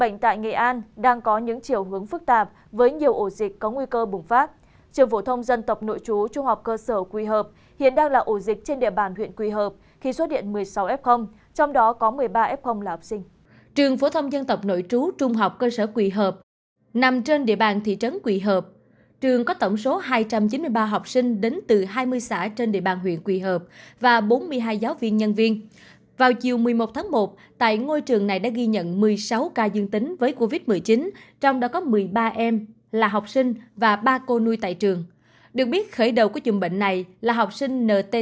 hãy đăng ký kênh để ủng hộ kênh của chúng mình nhé